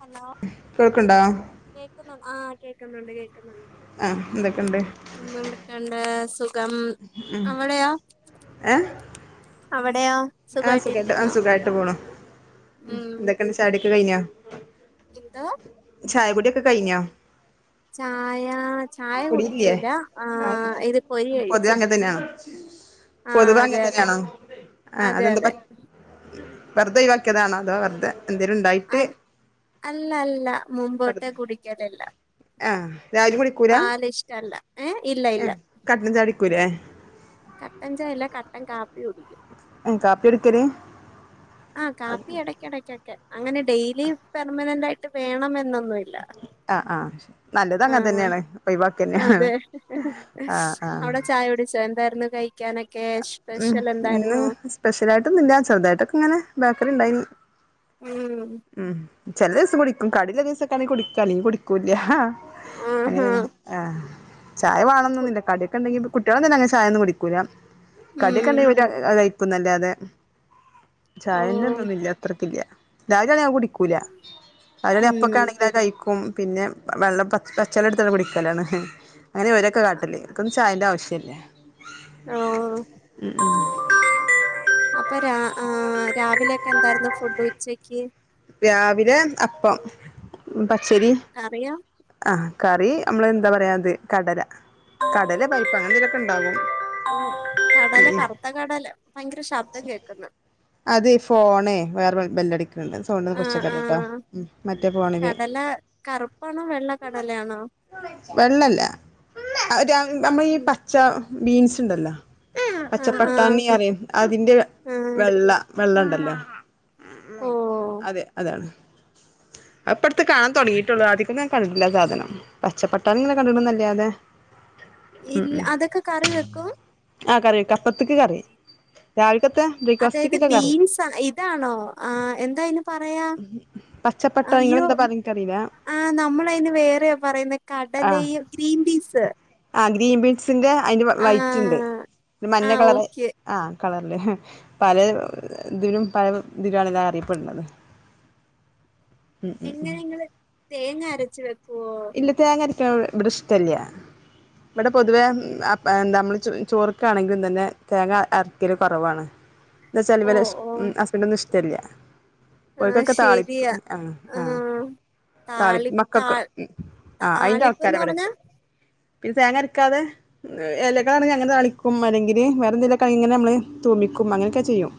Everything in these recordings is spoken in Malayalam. ഹലോ കേൾക്ക്ണ്ടോ കേൾക്കുന്നു ആഹ് കേൾക്കുന്നുണ്ട് കേൾക്കുന്നുണ്ട് ആഹ്, എന്തൊക്കെയുണ്ട് [unintelligible] സുഖം അവിടെയോ അവിടെയോ ആഹ്. സുഖായിട്ടു, ആ.. സുഖമായിട്ടിരിക്കുന്നോ സുഖായിട്ടുപോണു. എന്തൊക്കെയുണ്ട് ചായകുടി ഒക്കെ കഴിഞ്ഞോ എന്താ ചായകുടിയൊക്കെ കഴിഞ്ഞോ? ചായാ കുടിയില്ലേ ചായകുടിക്കൂല, ആഹ് അതെന്താ ഇത് പൊതുവെ പൊരികഴിച്ചു. അങ്ങനെ തന്നെയാണോ ആഹ്. പൊതുവെ അങ്ങനെ അതെയതെ തന്നെയാണോ ആ അതെന്താ പ അതെയതെ.. വെറുതെ ഒഴിവാക്കിയതാണോ, അതോ വെറുതേ എന്തേലുണ്ടായി അൽ അല്ല അല്ല, മുമ്പു തൊട്ടേ കുടിക്കല് ല്ല. ആഹ് രാവിലിം കുടി പാലിഷ്ട അല്ല, ഏഹ്? ഇല്ലയില്ല. കട്ടൻചാടിക്കൂലേ? കട്ടൻചായയല്ല, കട്ടൻ കാപ്പി കുടിക്കും ഉം. കാപ്പിയാ കുടിക്കല്? ആഹ് കാപ്പി യെടക്കിടയ്ക്കൊക്കെ അങ്ങനെ ഡെയിലി പെർമനെന്റായിട്ടു വേണം എന്നൊന്നു ഇല്ല. അഹ്. അഹ്. നല്ലതങ്ങൻ തന്നേണ് ഒഴിവാക്കന്നേണ്, അതെ ആഹ്. ആഹ് സെ എന്തായിരുന്നു കഴിക്കാനൊക്കെ? ഉം. സ്പെഷ്യൽ ഇന്നു എന്തായിരുന്നു സ്പെഷ്യലായിട്ടൊന്നു ഇല്ല. ചെറുതായിട്ടൊക്കെ യിങ്ങനെ ബേക്കറിയുണ്ടായിന്നു. ഉം. ഉം. ചെലദിവസം കുടിക്കും കടിള്ള ദിവസൊക്കാണെങ്കി കുടിക്കാ അല്ലെങ്കി കുടിക്കൂല്ലാ. ആഹാ അങ്ങനെയാന്ന് ആഹ്. ചായ ഫു വാണംന്നൊന്നുല്ല. കടിയൊക്കെണ്ടെങ്കി കുട്ടിയേളും തന്നെ അങ്ങനെ ചായൊന്നും കുടിക്കൂല. ഉം കടിയൊക്കെണ്ടെങ്കി പിന്നെ അതു കഴിക്കുംന്നല്ലാതെ ഓ ചായന്റെ തൊന്നും ഇല്ല അത്രയ്ക്കില്ല. രാവിലേണെ ഞാൻ കുടിക്കൂല, രാവിലെ അപ്പ ഉം ഒക്കെണെങ്കി അതുകഴിക്കും. പിന്നെ. വെള്ളം പ പച്ചളളം എടുത്താണ്ട് കുടിക്കലാണ്, അങ്ങനെ ഇവരൊക്കെ കാട്ടല് അവർക്കൊന്നും ചായേന്റാവശ്യല്ല ഓഹ് ഉം.. അപ്പൊ, രാ ആഹ് രാവിലെയൊക്കെയെന്തായിരുന്നു ഫുഡ് ഉച്ചക്ക്? രാവിലെ അപ്പം, പച്ചരി കറിയോ? ആഹ്. കറി നമ്മളെ എന്താ പറയാ. ഇത് കടല. കടലെ പരിപ്പൊ അങ്ങനെന്തെങ്കിലൊക്കെണ്ടാവും. ഓഹ് കടല കറുത്തകടല ഭയങ്കര ശബ്ദം കേൾക്കുന്നു. അതേ യീ ഫോണേ വേറെ ബെല്ലടിക്കുന്നുണ്ട്. സൗണ്ടാന്നു ആ കുറച്ചു ആ വെക്കട്ടേ ട്ടോ. മറ്റേ ഫോണിലെ കടല കറുപ്പാണോ വെള്ളക്കടലയാണോ? വെള്ളല്ല, ഒ രം നമ്മളീ ഉം പച്ച, ബീൻസുണ്ടല്ലോ. ആ ആ പച്ചപ്പട്ടാണി അറിം അതിന്റെ ആ വെള്ള വെള്ളണ്ടല്ലോ. ഓ അതെ അതാണ്. അതിപ്പട്ത്ത് കാണാൻ തൊട്ങ്ങീട്ടുള്ളൂ, അധികം ഞാൻ കണ്ടിട്ടില്ല ആ സാധനം. പച്ചപ്പട്ടാണിയിങ്ങനെ കണ്ടിണ്ന്നല്ലാതെ. ഇൽ അതൊക്കെക റി വെക്കും? ആഹ് കറി വെക്കാ അപ്പത്ത്ക്ക് കറി. രാവിൽക്കത്തെ അതായത് ബീൻസ് ആ ഇതാണോ ആഹ് എന്തായിനു പറയാ പച്ചപ്പട്ടാണി ഇങ്ങെളന്താ പറയാ ഇൻക്കറീ ആഹ് നമ്മളയ്ന് വേറെയാ പറയുന്നെ ആഹ് കടലയും ഗ്രീൻ പീസ് ആഹ് ഗ്രീൻ ബീൻസിന്റെ അയിന്റെ ആ വൈറ്റ് ണ്ട്. ആ മഞ്ഞ കളർ ഓക്കെ ആഹ് കളർല്. പല ഇതിലും പല ഇതിലാണല്ലോ അറിയപ്പെട്ണത്. എങ്ങനെ നിങ്ങള് തേങ്ങ അരച്ച് വെക്കൊ? ഇല്ല. തേങ്ങര്ക്ണ ബടെ ഇഷ്ടല്ല. ഇബടെ പൊതുവെ അ എന്താ നമ്മൾ ചൊ ചോറ്ക്കാണെങ്കിലും തന്നെ തേങ്ങ അരക്കൽ കൊറവാണ്. എത്തച്ചാല് ഓ ഇവലെ ഇഷ് ഓ ഹസ്ബെൻ്റിനൊന്നും ഇഷ്ടല്ല. ആ ഒൽക്കൊക്കെ താളിപ്പ് ശരിയാ അഹ് ആ ആഹ് താളിപ്പ് താളി താ മക്കൾക്ക് ആഹ് അയിന്റെ ആൾക്കാരാ താളിപ്പ്ന്ന് പറഞ്ഞാ ഇവടെല്ലത്. പിന്നെ തേങ്ങ അരക്കാതെ എലകളാണെങ്കി അങ്ങനെതാളിക്കും അല്ലെങ്കില് വെറെന്തേലും ഒക്കെ ഇങ്ങനെ നമ്മള് തൂമിക്കും അങ്ങനൊക്കെ ചെയ്യും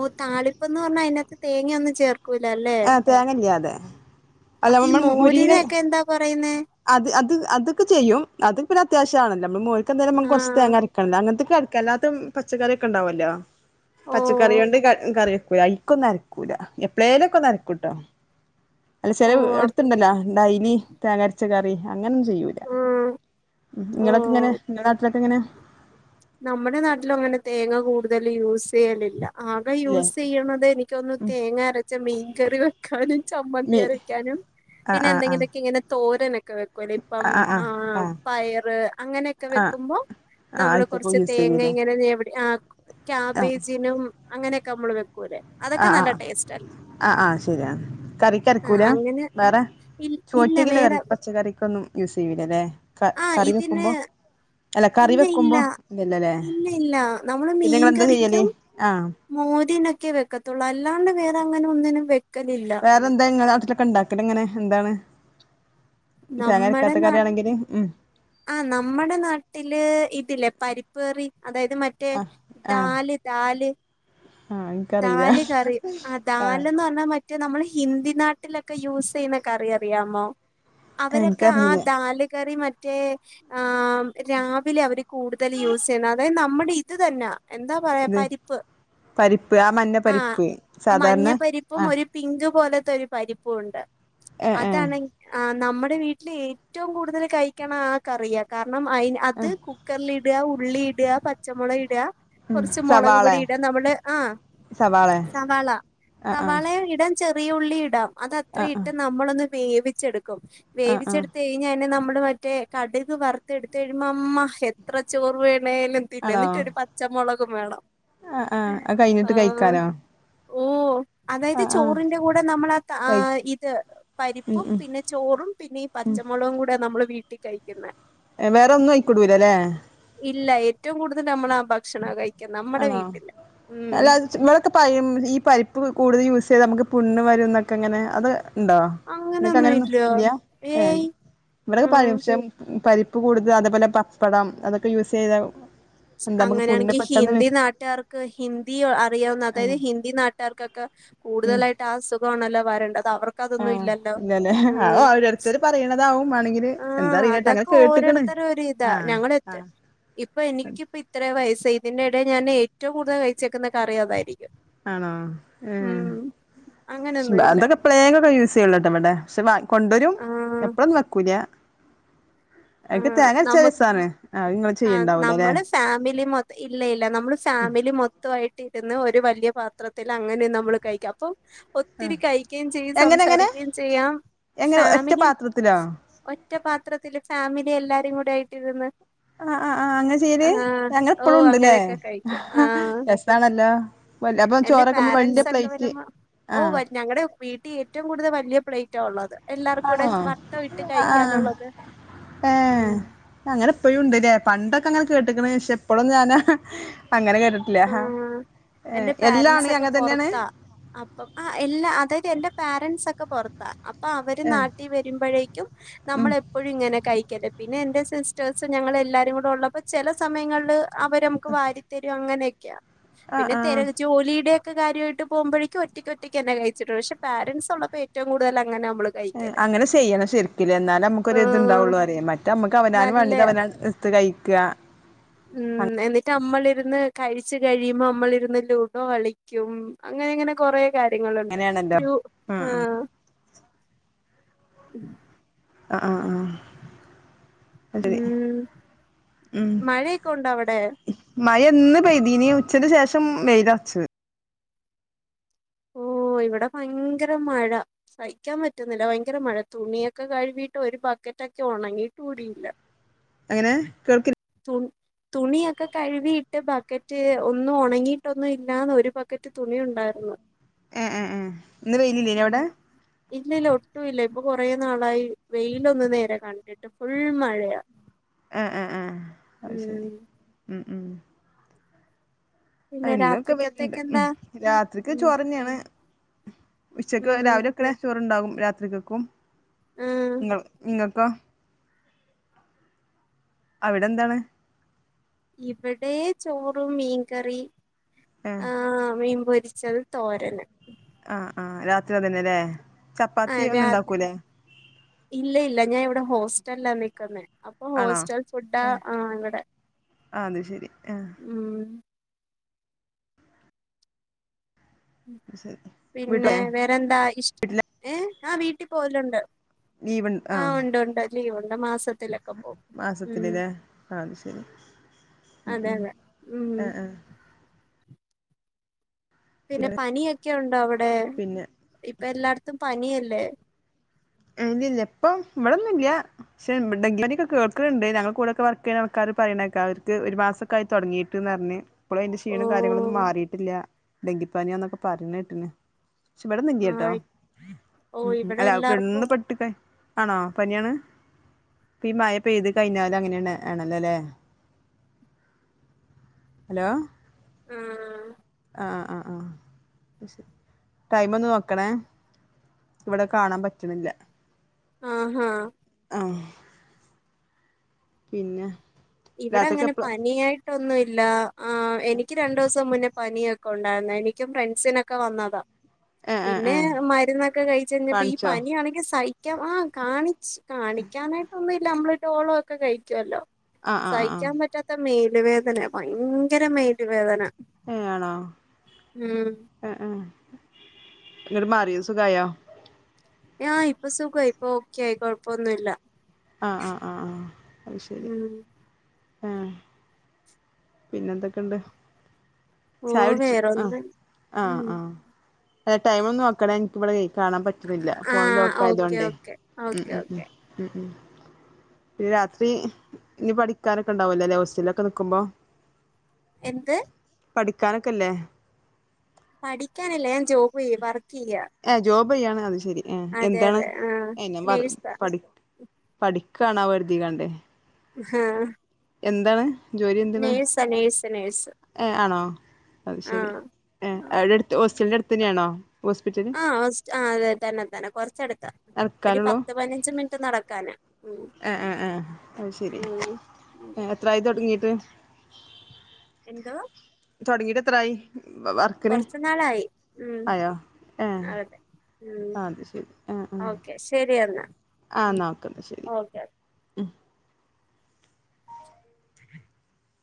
ഓ താളിപ്പെന്ന് പറഞ്ഞാ അയിനേത്ത് തേങ്ങയൊന്നും ചേർക്കൂലല്ലേ [unintelligible] അല്ല അപ്പ ഈ നമ്മൾ മുരിങ്ങ മോരിനെക്കെ എന്താ പറയുന്നെ അത് അത് അതൊക്കെ ചെയ്യും അത് പിന്നെ അത്യാവശ്രാണല്ല നമ്മള് മോര് ക്കെന്തായാലും ആ നമ്മക്ക് കൊറച്ച് തേങ്ങ അരക്കെണ്ടെ അങ്ങൻത്തെക്ക് അര് കെല്ലാത്തെം പച്ചക്കറി ഒക്കെണ്ടാവൊല്ലോ ഓ പച്ചക്കറിയോണ്ട് ക കറി വെക്കൂ ലെ അയിക്കൊന്നും അര ക്കൂല എപ്പളേലൊക്കെ ഒന്നരക്കുട്ടോ അല്ല ഓ ചെല വി അ എടുത്തണ്ടല്ലോ ഡൈലി തേങ്ങ അരച്ച കറി അങ്ങന ഒന്നും ചെയ്യൂല ആ ഇങ്ങളൊക്കെ ഓ എങ്ങനെ ഇങ്ങളെ നാട്ടിലൊക്കെ എങ്ങനെ നമ്മടെ നാട്ടിലും അങ്ങനെ തേങ്ങ കൂടുതല് യൂസ് ചെയ്യലില്ല ആകെ ഇല്ലേ യൂസ് ചെയ്യണത് എനിക്കോന്ന്ണ് തേങ്ങ അരച്ച മീൻകറി വെ ക്കാനും ചമ്മന്തി മീ അരയ്ക്കാനും ആ പിന്നെ ആ ആ എന്തെങ്കിലൊക്കെ ഇങ്ങനെ തോരനൊക്കെ വെ [unintelligible] ആ ആഹ് ആഹ് ആ ആഹ് പയറ് അങ്ങനെക്കെ ആഹ് വെക്കുമ്പോ ആഹ് നമ്മള് അയ്ത്തക്കൂ കൊറച്ച് യൂസ് തേങ്ങ ചെയ്യൂലേ ഇങ്ങനെ ഞ്ഞവടി ആ ആഹ് കാബേജിനും അങ്ങനെയൊക്കെ നമ്മള് വെക്കൂലെ അതൊക്കെ നല്ല ടേസ്റ്റാണ് ആ ആ ശരിയാന്ന് കറിക്കരക്കൂല അങ്ങനെ വേറെ ഇ ഇല്ല ചോറ്റ്കില്ലറി വേറെ പച്ചക്കറിക്കൊന്നും യൂസ് ചെയ്യൂലല്ലെക ആ കറി ഇതിന് വെക്കുമ്പോ അല്ല കറി ഇല്ല ഇല്ല വെക്കുമ്പോ ഇല്ലല്ലലെ ഇല്ല ഇല്ല നമ്മള് പിന്നെ ഇങ്ങളെന്താ ചെയ്യല് മീൻകറിക്കും ആഹ് മോരിനൊക്കെ വെക്കത്തുള്ളൂ അല്ലാണ്ട് വേറെങ്ങനെഒന്നിനും വെക്കലില്ല വേറെ എന്താ ഇങ്ങളെ നാട്ടിലൊക്കെ ഉണ്ടാക്കല് ഇങ്ങനെ എന്താണ് തേങ്ങ നമ്മടെ അരക്കാത്ത നാ കറിയാണെങ്കില് ഉം ആ നമ്മടെ നാട്ടില് ഇതില്ലേ പരിപ്പ് കറി അതായത് മ- റ്റേ ആഹ് ആഹ് ദാല് ദാല് ആഹ് ഇൻക്കറീല ദാല് കറി ആ ആഹ് ദാലെന്ന് പറഞ്ഞാ മറ്റ് മറ്റേ നമ്മള് ഹിന്ദി നാട്ടിലൊക്കെ യൂസ് ചെയ്യുന്ന കറി അറിയാമോ അവരൊക്കെ ആ ഇൻക്കറീല ദാല് കറി മറ്റേ ആം രാവിലെ അവര് കൂടുതല് യൂസ് ചെയ്യുന്നത് അതായത് നമ്മടെ ഇത് തന്നാ എന്താ പറയാ ഇത് പരിപ്പ് പരിപ്പ് ആ മഞ്ഞ ആഹ് പരിപ്പ് മഞ്ഞ സാധാരണ പരിപ്പും ആ ഒരു പിങ്ക് പോലത്തെ ഒരു പരിപ്പൂണ്ട് ഏ ഏ അതാണെങ്കി ആ നമ്മടെ വീട്ടില് ഏറ്റവും കൂടുതല് കഴിക്കണ ആ കറിയാ കാരണം അയി ആ അത് കുക്കറില് ഇട് ഉള്ളിയിടാ പച്ചമുളകിട കൊറച്ച് മൊളക് സവാളെ പൊടി ഇടുക നമ്മടെ ആ സവാളെ സവാള ആ ആ സവാളേം ഇട് ചെറിയ ഉള്ളി ഇടാം ആ അതത്ത്രയും ആ ഇട്ട് നമ്മളൊന്ന് വേവിച്ചെടുക്കും ആ ആ വേവിച്ചെടുത്തെ ഇനി ഞ്ഞാന് നമ്മള് മറ്റേ കടുക് വറുത്ത് എടുത്ത് കഴിയുമ്പോ അമ്മ എത്ര ചോറ് വേണേലും തിന്ന ആണോ എന്നിട്ടൊരു പച്ചമുളകും വേണം ആ ആ അത് കഴിഞ്ഞിട്ട് ആഹ് കഴിക്കാനോ ഓ അതായത് ചോറിന്റെ കൂടെ നമ്മളാ താ ആ കഴി ഇത് ഉം പരിപ്പും ഉം പിന്നെ ചോറും പിന്നെ ഈ പച്ച മൊളകും കൂടെയാ നമ്മള് വീട്ടി കഴിക്കുന്നെ എ വേറെ ഒന്നും അയിക്കിടൂല ലെ ഇല്ല ഏറ്റവും കൂടുതൽ നമ്മളാ ഭക്ഷണാ കഴിക്കാ നമ്മടെ ആണോ വീട്ടില് ഉം അല്ല [unintelligible] ഈ പരിപ്പ് കൂടുതൽ യൂസ് ചെയ്താൽ നമക്ക് പുണ്ണ് വരുംന്നൊക്കെ ഇങ്ങനെ അത് ഇണ്ടോ ഇങ്ങക്ക് അങ്ങനൊന്നും ഇല്ല്യ ഏഹ് ഏയ് ഇവിടെക്കെ ഉം പറയും പക്ഷെ പരിപ്പ് കൂടുത അതേപോലെ പപ്പടം അതൊക്കെ യൂസ് ചെയ്താ അങ്ങനേണെങ്കി ഹിന്ദി നാട്ടാർക്ക് ഹിന്ദി അറിയോന്ന് ആ അതായത് ഹിന്ദി നാട്ട്കാർക്കൊക്കെ കൂടുതലാ ആ അസുഖാണല്ലോ വരണ്ടത് അവർ ആഹ് ഇല്ല്യ ലെ അത് ഓരോരുത്തര് പറീണതാവും വാണെങ്കി അത് ആ എന്താ അറീലട്ട അങ്ങനെ അതൊക്കെ കേട്ട്ക്ക്ണ് ആ ആ ഇപ്പ എനിക്കിപ്പ ഇത്രേ വയസ്സായി ഇതിന്റെ എടേൽ ഞാൻ ഏറ്റവും കൂടുതൽ കഴിച്ചേക്ക്ന്ന കറി അതായിരിക്കും ആണോ ഏഹ് ഉം അങ്ങനൊന്നുല്ല അതൊക്കെ എപ്പളെലും യൂസിചെയ്യള്ളുട്ടെ ഇവിടെ പക്ഷെ വാങ്‌ കൊണ്ടുവരും ആഹ് എപ്പളൊന്നും വെക്കൂല അയ്ക്ക് ആഹ് തേങ്ങരച്ച നമു രസാണ് ആ ഇങ്ങൾ ആഹ് ചെയ്യണ്ടാവൂലല്ലെ നമ്മള് ഫാമിലി മൊ ഇല്ല ഇല്ല നമ്മള് ഫാമിലി മൊത്വാ ആയിട്ട് ഇരുന്ന് ഒരു വല്യ പാത്രത്തിൽ അങ്ങനെ നമ്മള് കഴിക്ക അപ്പൊ ഒത്തിരി കഴിക്കേം ചെയ്യ എങ്ങനെ എങ്ങനെ സംസാരിക്കേം ചെയ്യാ എങ്ങനെ ഒറ്റ ഫാമിലി പാത്രത്തിലോ ഒറ്റപാത്രത്തില് ഫാമിലി എല്ലാരും കൂടെ ആയിട്ടിരുന്ന് ആഹ് ആഹ് ആഹ് അങ്ങനെ ചെയ്ല് ആഹ് അങ്ങനെ ഇപ്പഴും ഓഹ് ഉണ്ട്ല്ലേ അങ്ങനെയൊക്കെ കഴിക്കും ആഹ് രസാണല്ലോ വല്ല അപ്പൊ എന്റെ ചോറൊക്കമ്പോ വല്യ പ്ലേറ്റ് ആഹ് ഞങ്ങളടെ വീട്ടിൽ ഏറ്റവും കൂടുതൽ വല്യ പ്ലേറ്റ് ഉള്ളത് എല്ലാർക്കും കൂടെ വട്ട ഇട്ട് കഴിക്കാനുള്ളത് ഏഹ് ഉം അങ്ങനെ ഇപ്പഴും ഇണ്ട്ല്ലേ പണ്ടൊക്കെ ഇങ്ങനെ കേട്ട്കണ് പക്ഷേ ഇപ്പോഴും ഞാനാ അങ്ങനെ കേട്ടിട്ടില്ല ഹ ആഹ് ഏഹ് എന്റെ എല്ലാണ പാരൻസ് ഒക്കെ അങ്ങനെ തന്നെണ് പൊറത്താ അപ്പം ആ ഇല്ലാ അതായത് എന്റെ പാരന്റ്സൊക്കെ പുറത്താ അപ്പൊ അവര് ഏ നാട്ടിൽ വരുമ്പോഴേക്കും ഉം നമ്മള് എപ്പോഴും ഇങ്ങനെ കഴിക്കല് പിന്നെ എന്റെ സിസ്റ്റേഴ്സ് ഞങ്ങള് എല്ലാരും കൂടെ ഉള്ളപ്പോ ചില സമയങ്ങളില് അവര് നമ്മക്ക് വാരിത്തരും അങ്ങനെയൊക്കെയാ ആ പിന്നെ തിര ആ ജോലിയുടെ കാര്യമായിട്ട് പോകുമ്പോഴേക്കും ഒറ്റക്ക് ഒറ്റക്കെന്നെ കഴിച്ചിട്ടുള്ള് പക്ഷേ പാരൻസുള്ളപ്പോ ഏറ്റവും കൂടുതൽ അങ്ങനെ നമ്മ എ അങ്ങനെ ചെയ്യണം ശരിക്കിലെ എന്നാലെ ആഹ് നമ്മക്കൊരിത്ണ്ടാവുള്ളു റെയ് മറ്റേ നമ്മക്ക് അവനാന് നല്ല വേണ്ടത് അവനാന് ഇട്ത് ഇട്ത്ത് കഴിക്കാ ഉം എന്നിട്ട് നമ്മളിരുന്ന് കഴിച്ച് കഴിയുമ്പോ നമ്മളിരുന്ന് ലൂഡോ കളിക്കും അങ്ങനങ്ങനെ കൊറെ കാര്യങ്ങളുണ്ട് അങ്ങനെയാണല്ലോ ആ ആഹ് ആഹ് ആഹ് ആഹ് ഉം [unintelligible] ഉം മഴയൊക്കെ ഉണ്ടോ അവിടെ മയൊന്ന് പെയ്തിനി ഉച്ചക്ക് ശേഷം വെയ്ലറ്ച്ച് ഓഹ് ഇവിടെ ഭയങ്കരം മഴ സഹിക്കാൻ പറ്റുന്നില്ല ഭയങ്കരം മഴ തുണിയൊക്കെ കഴുകിട്ട് ഒരു ബക്കറ്റ് ഒക്കെ ഉണങ്ങിട്ട് കൂടിയില്ല ! ! ! ! എങ്ങനെ കേൾക്ക് തൊ തുണിയൊക്കെ കഴുകിട്ട് ബക്കറ്റ് ഒന്നും ഉണങ്ങിട്ടൊന്നും ഇല്ലാന്ന് ഒരു ബക്കറ്റ് തുണി ഉണ്ടായിരുന്നു ഏഹ് ഏഹ് ഇന്ന് വെയിലില്ലേ അവിടെ ഇല്ലല്ല ഒട്ടും ഇല്ല ഇപ്പൊ കൊറെ നാളായി വെയിലൊന്ന് നേരെ കണ്ടിട്ട് ഫുൾ മഴയാ ആഹ് ആഹ് ആഹ് അത് ശരി ഉം ഉം ഉം പിന്നെ ഇന്നൊക്കെ വെയ്ലിണ്ട് രാത്രിക്കത്തേക്ക് എന്താ രാത്രിക്ക് ഉം ചോറെന്നെണ് ഉച്ചക്ക് ഉം രാവിലെ വെക്ക്ണെ ചോറ് ഉണ്ടാകും രാത്രിക്കക്കും ആഹ് നിങ്ങൾ ഇങ്ങക്കൊ അവിടെ എന്താണ് ഇവടെ ചോറും മീൻകറി ആ ആഹ് മീൻ പൊരിച്ചയ് തോരന് ആഹ് ആഹ് രാത്രി അതെന്നെല്ലേ ആഹ് രാത്രി ഇല്ല ഇല്ല ഞാൻ ഇവടെ ഹോസ്റ്റലിലാ നിക്കുന്നേ ഇപ്പൊ ആണോ ഹോസ്റ്റൽ ഫുഡ് ഏഹ് ആഹ് ഇവിടെ ആഹ് അത് ശരി ആഹ് ഉം ശരി പിന്നെ വീട്ടിലെ വേറെന്താ ഇഷ് വീട്ടിലെ ഏഹ് ആഹ് വീട്ടിപ്പോവലുണ്ട്. ആഹ് ഉണ്ട് ഉണ്ട് ലീവുണ്ട് മാസത്തി ത്തിലൊക്കെ പോകും ഉം മാസത്തിലല്ലേ ആഹ് അത് ശരി അതെ അതെ ഉം ആഹ് ആഹ് പിന്നെ പനിയൊക്കെ ഉണ്ടോ അവടെ പിന്നെ ഇപ്പം എല്ലായിടത്തും പനിയല്ലേ ഇല്ല ഇല്ല ഇപ്പം ഇവിടൊന്നും ഇല്ല പക്ഷെ ഡെങ്കിപ്പനിക്കെ കേൾക്ക്ണ്ട് ഞങ്ങളെ കൂടെ ഒക്കെ വർക്ക് ചെയ്യണാ ആൾക്കാര് പറയണകേക്ക അവർക്ക് ഒരു മാസ ക്കായി തൊടങ്ങിട്ട്ന്നറഞ്ഞ്. ഇപ്പളും അയിന്റെ ക്ഷീണം കാര്യങ്ങളൊന്നും ഓഹ് മാറീട്ടില്ല ഡെങ്കിപ്പനിയാന്നൊക്കെ പറഞ്ഞേട്ടിന്. പക്ഷേ ഇവിടൊന്നില്ലട്ടോ ആഹ് ഉം ഓഹ് ഉം ഇവിടെ എല്ലാർക്കും അല്ലപ്പെന്ന് പെട്ട്കാ ആണോ പനിയാണ്. ഇപ്പ ഈ മഴ പെയ്ത് കഴിഞ്ഞാലങ്ങനെണ് ണല്ലോല്ലേ? ഹലോ ആഹ് ആഹ് ആഹ് ആഹ് ആഹ് ടൈമൊന്ന് നോക്കണേ ഇവടെ കാണാൻ പറ്റണില്ല. ആഹ് ആഹ് പിന്നെ? ഇവിടെ രാത്രിക്ക് അങ്ങനെ എപ്പളാ പനിയായിട്ടൊന്നുല്ല ആഹ് എനിക്ക് രണ്ടൂസം മുന്നേ പനിയൊക്കെ ഉണ്ടായിരുന്ന് എനിക്കും ഫ്രണ്ട്സിനൊക്കെ വന്നതാ. ഏഹ് ഏഹ് പിന്നെ ഏഹ് മരുന്നൊക്കെ കഴിച്ചഴിഞ്ഞപ്പ ഈ കാണിച്ചോ പനിയാണെങ്കി സഹിക്കാം ആഹ് കാണി കാണിക്കാനായിട്ടൊന്നുല്ല നമ്മള് ഡോളോ ഒക്കെ കഴിക്കുവല്ലോ. ആഹ് ആഹ് ആഹ് സഹിക്കാൻ പറ്റാത്ത മേല് വേദന ഭയങ്കര മേല് വേദന. ഏഹ് ആണോ ഉം ആഹ് ആഹ് എന്നിട്ട് മാറിയോ സുഖായോ? ആഹ് ഇപ്പൊ സുഖായി ഇപ്പൊ ഓക്കെയി കൊഴപ്പൊന്നുല്ല. ആഹ് ആഹ് ആഹ് ആഹ് അത് ശരി ഉം ആഹ് പിന്നെന്തൊക്കെണ്ട് ഓ ചായ കുടിച്ചു ആഹ് വേറൊന്നും ഉം ആഹ് ആഹ് അതെ ടൈമൊന്ന് നോക്കണെ എനിക്കിവടെയ് കാണാൻ പറ്റ്ണില്ല ആ ഫോൺ ഓക്കെ ലോക്കായതോണ്ടേയ് ഓക്കെ ഉം ഓക്കെ ഉം ഉം. ഓക്കെ ഉം ഉം പിന്നെ രാത്രി ഇനി പഠിക്കാനൊക്കെ ഉണ്ടാവല്ലോല്ലേ ഹോസ്റ്റലിലൊക്കെ നിക്കുമ്പോ? എന്ത്? പഠിക്കാനൊക്കെല്ലേ? പഠിക്കാനല്ല ഞാൻ ജോബിയ്യ വർക്കിയ്യ. ഏഹ് ജോബ് ചെയ്യാണ് അത് ശെരി ആഹ് എന്താണ് അതെ ആ ഞാൻ പറ നേഴ്സാ പഠി പഠിക്കണോ കരുതിങ്ങാണ്ടേ ആഹ് എന്താണ് ജോലി എന്താണ്? ത നഴ്സ് നഴ്സ് ഏഹ് ആണോ അത് ശരി ഏടെ അടുത്ത് ഹോസ്റ്റലിന്റെ അടുത്തെന്നെണോ? ആഹ് ഹോസ്റ്റ ആഹ് അതെ തന്നെ തന്നെ കൊറച്ചടുത്താ. ഒരു നടക്കാനുള്ളൂ പത്ത് പതിനഞ്ച് മിനിറ്റ് നടക്കാന് ഉം. ആഹ് ആഹ് ആഹ് അത് ശരി ഉം ഉം. എത്രായത് തൊടങ്ങീട്ട്? എന്തോ? തുടങ്ങിട്ട് എത്രായി വർക്കിന് കൊറച്ചു നാളായി ഉം ആയോ ഏ അതെ ഉം ആഹ് അത് ശരി ആഹ് ആഹ് ഓക്കെ ശരി എന്നാ ആ ഉം നോക്കുന്ന ശരി. ഓക്കെ